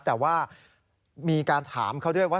แต่ว่ามีการถามเขาด้วยว่า